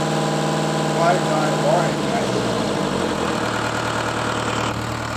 I wouldn't worry about him.